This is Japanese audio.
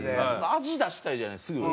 味出したいじゃないですかすぐ。